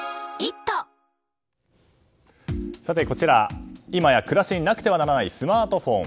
こちら今や暮らしになくてはならないスマートフォン。